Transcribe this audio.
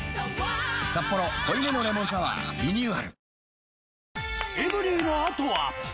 「サッポロ濃いめのレモンサワー」リニューアル